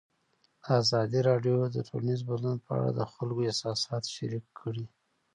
ازادي راډیو د ټولنیز بدلون په اړه د خلکو احساسات شریک کړي.